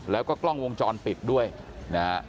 แล้วก็กล้องวงจรปิดด้วยนะฮะ